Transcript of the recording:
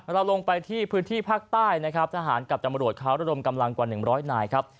เราลงไปที่พื้นที่ภาคใต้นะครับทหารกับตำรวจเขาระดมกำลังกว่า๑๐๐นายครับ